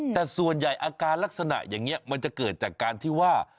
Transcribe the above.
แต่ส่วนใหญ่อาการลักษณะอย่างนี้มันจะเกิดจากการที่ว่า